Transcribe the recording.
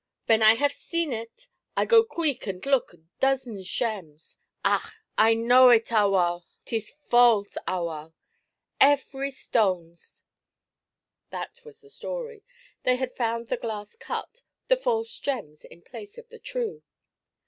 Wen I haf zeen it, I go queek ant look at doze shems. Ach! I know it awal 'tis fawlze awal effery stonzes!' That was the story. They had found the glass cut, and false gems in place of the true.